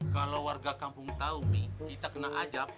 kalau warga kampung tahu nih kita kena ajab